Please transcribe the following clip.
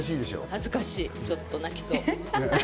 恥ずかしいし、ちょっと泣きそう。